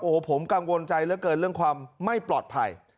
โอ้โหผมกังวลใจเหลือเกินเรื่องความไม่ปลอดภัย